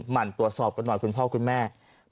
หั่นตรวจสอบกันหน่อยคุณพ่อคุณแม่